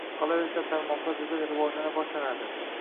Qolaversa, tarmoqlar jadal rivojlana boshlanadi.